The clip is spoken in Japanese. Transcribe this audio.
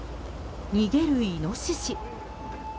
逃げるイノシシ。